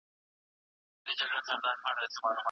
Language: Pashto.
ښځې په خپلو لاسو کې د تسبیح دانې په ډېرې ارامۍ سره اړولې.